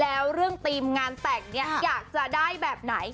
แล้วเรื่องธีมงานแต่งเนี่ยอยากจะได้แบบไหน